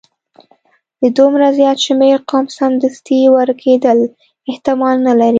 د دومره زیات شمیر قوم سمدستي ورکیدل احتمال نه لري.